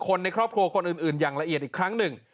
ในครอบครัวคนอื่นอย่างละเอียดอีกครั้งหนึ่ง